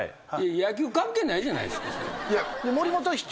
野球関係ないじゃないっすか。